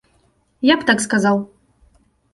Я б так сказаў.